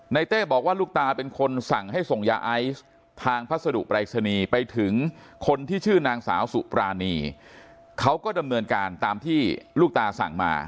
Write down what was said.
เต้บอกว่าลูกตาเป็นคนสั่งให้ส่งยาไอซ์ทางพัสดุปรายศนีย์ไปถึงคนที่ชื่อนางสาวสุปรานีเขาก็ดำเนินการตามที่ลูกตาสั่งมา